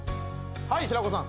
はい平子さん。